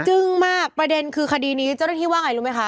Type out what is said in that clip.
ึ้งมากประเด็นคือคดีนี้เจ้าหน้าที่ว่าไงรู้ไหมคะ